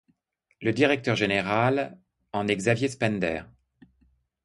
Le Directeur Général en est Xavier Spender.